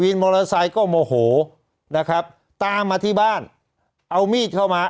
มอเตอร์ไซค์ก็โมโหนะครับตามมาที่บ้านเอามีดเข้ามา